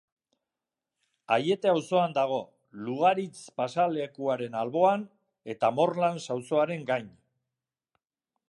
Aiete auzoan dago, Lugaritz pasealekuaren alboan, eta Morlans auzoaren gain.